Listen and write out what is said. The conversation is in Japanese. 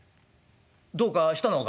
どうかしたのか？」。